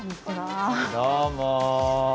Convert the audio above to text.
どうも。